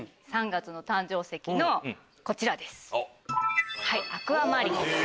３月の誕生石のこちらです。